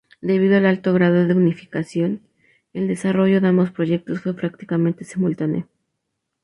Debido al alto grado de unificación, el desarrollo de ambos proyectos fue prácticamente simultáneo.